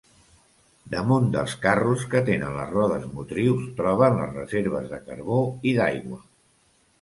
Damunt dels carros que tenen les rodes motrius troben les reserves de carbó i d'aigua.